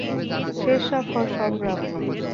Sher Shah for সংগ্রাম!